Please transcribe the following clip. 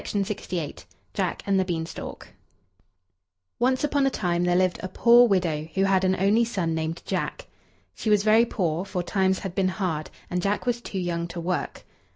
JACK AND THE BEANSTALK Once upon a time there lived a poor widow who had an only son named Jack. She was very poor, for times had been hard, and Jack was too young to work.